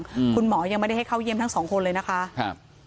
อืมคุณหมอยังไม่ได้ให้เข้าเยี่ยมทั้งสองคนเลยนะคะครับ